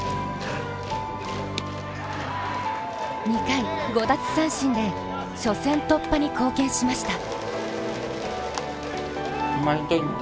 ２回５奪三振で初戦突破に貢献しました。